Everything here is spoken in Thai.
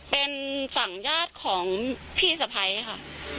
เป็นฝั่งญาติของพี่สะพ้ายค่ะ